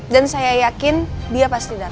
dan saya yakin dia pasti datang